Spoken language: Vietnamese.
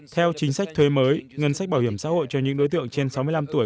theo chính sách thuế mới ngân sách bảo hiểm xã hội cho những đối tượng trên sáu mươi năm tuổi